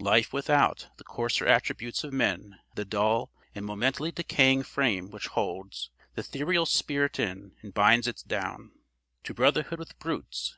Life without The coarser attributes of men, the dull And momently decaying frame which holds The ethereal spirit in, and binds it down To brotherhood with brutes!